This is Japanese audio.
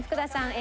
Ａ